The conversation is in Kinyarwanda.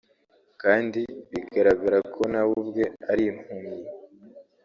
kandi bigaragara ko na we ubwe ari impumyi